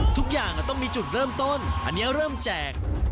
ทุกอย่างต้องมีจุดเริ่มต้นอันนี้เริ่มแจก